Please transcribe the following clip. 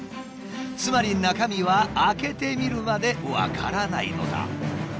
つまり中身は開けてみるまで分からないのだ。